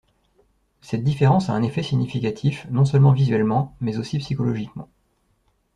Cette différence a un effet significatif, non seulement visuellement, mais aussi psychologiquement.